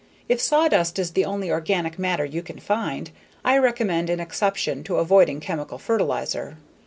If sawdust is the only organic matter you can find, I recommend an exception to avoiding chemical fertilizer.